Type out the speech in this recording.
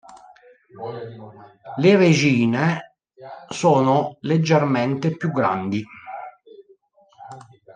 Le regine sono leggermente più grandi.